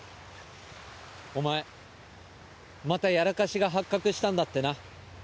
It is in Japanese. お前またやらかしが発覚したんだってな。